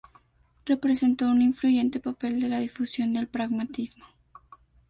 Representó un influyente papel en la difusión del pragmatismo.